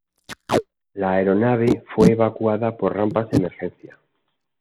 La aeronave fue evacuada por rampas de emergencia.